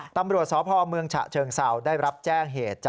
ตำรวจสพเมืองฉะเชิงเซาได้รับแจ้งเหตุ